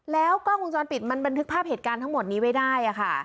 แล้วกล้องวงจรปิดมันบันทึกภาพเหตุการณ์ทั้งหมดนี้ไว้ได้ค่ะ